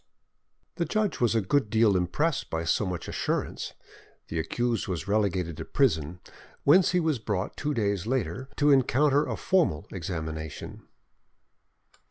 The judge was a good deal impressed by so much assurance. The accused was relegated to prison, whence he was brought two days later to encounter a formal examination.